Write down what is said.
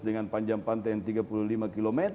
dengan panjang pantai yang tiga puluh lima km